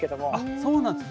そうなんですか。